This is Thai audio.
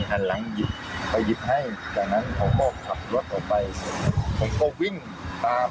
พี่รบุพอร์เขาบอกแบบนี้นะ